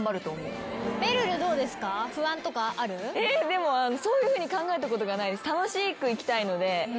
でもそういうふうに考えたことがないです。